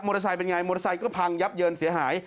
เตอร์ไซค์เป็นไงมอเตอร์ไซค์ก็พังยับเยินเสียหาย